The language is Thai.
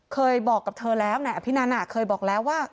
เคยบอกกับเธอแล้วนายอภินันเคยบอกแล้วว่า